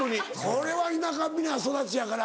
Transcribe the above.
これは田舎皆育ちやから。